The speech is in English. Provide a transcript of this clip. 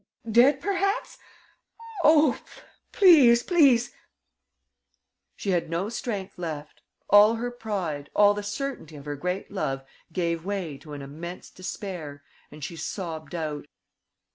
Dead perhaps?... Oh, please, please!..." She had no strength left. All her pride, all the certainty of her great love gave way to an immense despair and she sobbed out.